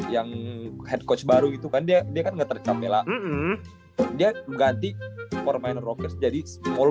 yang head coach baru gitu kan dia dia kan ngetarik capella dia ganti for minor rockers jadi small